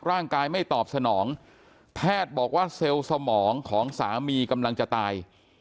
ร่างกายไม่ตอบสนองแพทย์บอกว่าเซลล์สมองของสามีกำลังจะตาย